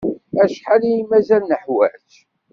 Acḥal ay mazal neḥwaj?